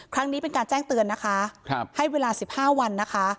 ครั้งนี้เป็นการแจ้งเตือนนะคะให้เวลา๑๕วันนะคะ